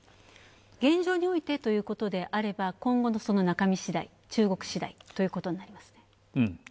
現状においてということであれば、今後の中身しだい、中国次第ということになりますか？